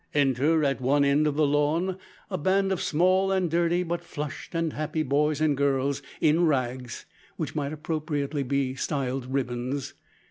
Enter, at one end of the lawn, a band of small and dirty but flushed and happy boys and girls, in rags which might appropriately be styled ribbons.